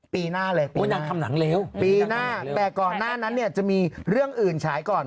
ปีหน้าเลยปีหน้าปีหน้าแต่ก่อนหน้านั้นเนี่ยจะมีเรื่องอื่นใช้ก่อน